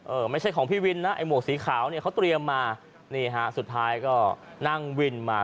เออไม่ใช่ของพี่วินนะไอ้หมวกสีขาวเนี่ยเขาเตรียมมานี่ฮะสุดท้ายก็นั่งวินมา